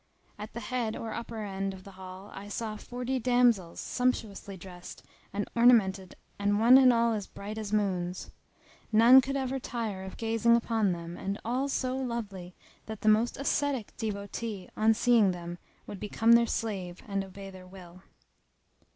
[FN#286] At the head or upper end[FN#287] of the hall I saw forty damsels, sumptuously dressed and ornamented and one and all bright as moons; none could ever tire of gazing upon them and all so lovely that the most ascetic devotee on seeing them would become their slave and obey their will.